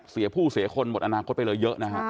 เสียผู้เสียคนหมดอนาคตไปเลยเยอะนะฮะ